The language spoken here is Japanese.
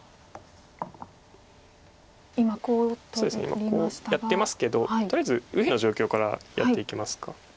今コウやってますけどとりあえず右辺の状況からやっていきますか。